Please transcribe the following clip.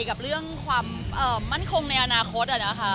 กับเรื่องความมั่นคงในอนาคต